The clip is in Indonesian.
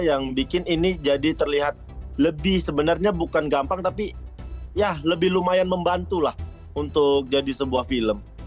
yang bikin ini jadi terlihat lebih sebenarnya bukan gampang tapi ya lebih lumayan membantu lah untuk jadi sebuah film